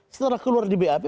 setelah keluar di bap